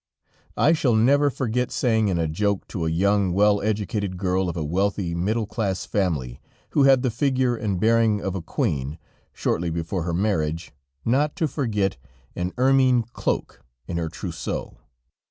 I shall never forget saying in a joke to a young, well educated girl of a wealthy, middle class family, who had the figure and bearing of a queen, shortly before her marriage, not to forget an ermine cloak in her trousseau.